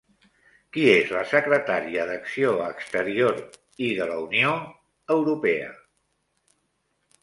Qui és la secretària d'Acció Exterior i de la Unió Europea?